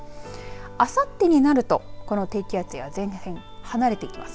あさってになると、この低気圧や前線、離れていきます。